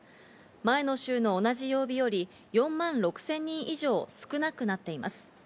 前の週の同じ曜日より、４万６０００人以上少なくなっています。